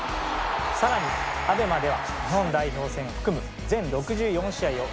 さらにＡＢＥＭＡでは日本代表戦を含む全６４試合を無料で生中継。